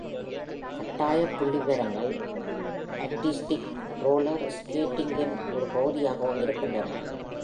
கட்டாய புள்ளிவிவரங்கள் அர்டிஸ்டிக் ரோலர் ஸ்கேட்டிங்கின் ஒரு பகுதியாகவும் இருக்கின்றன.